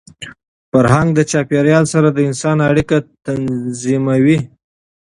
فرهنګ د چاپېریال سره د انسان اړیکه تنظیموي.